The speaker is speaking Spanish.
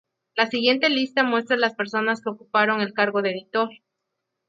La siguiente lista muestra las personas que ocuparon el cargo de editor.